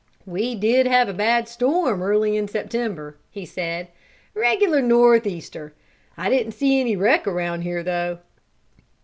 "We did have a bad storm early in September," he said. "Regular north easter. I didn't see any wreck around here, though."